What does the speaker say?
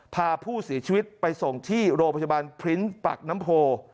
พาผู้เสียชีวิตไปส่งที่โรงพยาบาลพริ้นปักน้ำโพ